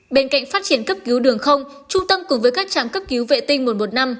bên cạnh phát triển cấp cứu đường không trung tâm cùng với các trạm cấp cứu vệ tinh một trăm một mươi năm